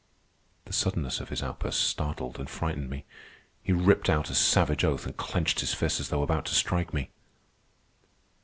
The suddenness of his outburst startled and frightened me. He ripped out a savage oath, and clenched his fist as though about to strike me.